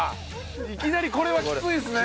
いきなりこれはきついですね。